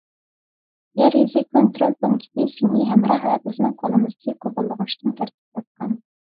يەر يۈزى كونترول پونكىتى، سۈنئىي ھەمراھ ۋە بىزنىڭ قولىمىزدىكى قوبۇللىغۇچتىن تەركىب تاپقان.